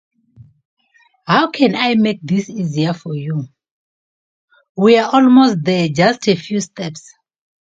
Vincent was among the dignitaries.